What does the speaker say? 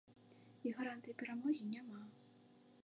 І гарантый перамогі няма.